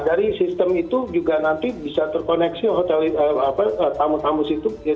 dari sistem itu juga nanti bisa terkoneksi tamu tamu situ